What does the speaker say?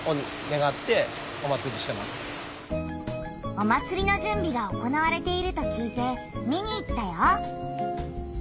お祭りのじゅんびが行われていると聞いて見に行ったよ。